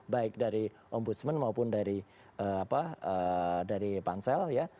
baik dari ombudsman maupun dari apa dari pansal ya